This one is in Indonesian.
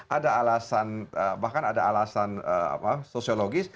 ada alasan bahkan ada alasan sosiologis